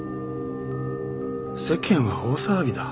世間は大騒ぎだ。